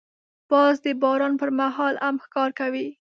باز د باران پر مهال هم ښکار کوي